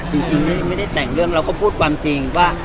จริงไม่ได้แต่งเรื่องเราก็พูดความจริงว่า